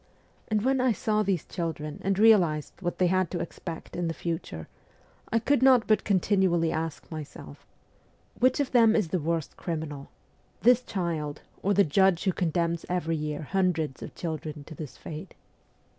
And when I saw these children and realized what they had to expect in the future, I could not but continually ask myself :' Which of them is the worst criminal this child or the judge who condemns every year hundreds of children to this fate